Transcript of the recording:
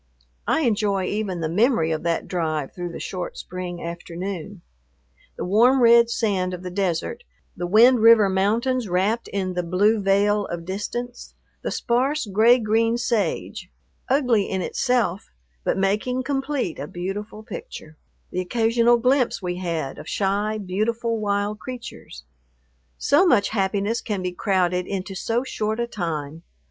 I enjoy even the memory of that drive through the short spring afternoon, the warm red sand of the desert; the Wind River Mountains wrapped in the blue veil of distance; the sparse gray green sage, ugly in itself, but making complete a beautiful picture; the occasional glimpse we had of shy, beautiful wild creatures. So much happiness can be crowded into so short a time.